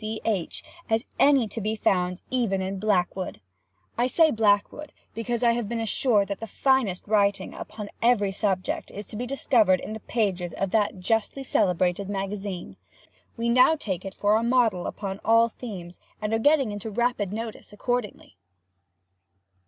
T. C. H. as any to be found even in Blackwood. I say, Blackwood, because I have been assured that the finest writing, upon every subject, is to be discovered in the pages of that justly celebrated Magazine. We now take it for our model upon all themes, and are getting into rapid notice accordingly.